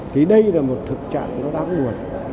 thì đây là một thực trạng nó đáng buồn